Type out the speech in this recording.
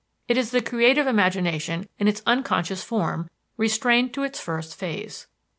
It is the creative imagination in its unconscious form, restrained to its first phase.